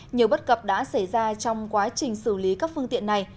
nhiều bất cập đã xảy ra trong quá trình xử lý các phương tiện này